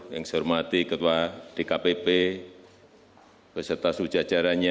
yang saya hormati ketua dkpp beserta seluruh jajarannya